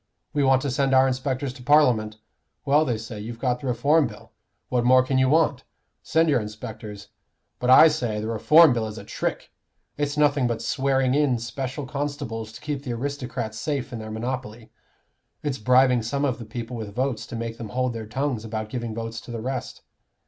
We want to send our inspectors to Parliament. Well, they say you've got the Reform Bill; what more can you want? Send your inspectors. But I say, the Reform Bill is a trick it's nothing but swearing in special constables to keep the aristocrats safe in their monopoly; it's bribing some of the people with votes to make them hold their tongues about giving votes to the rest.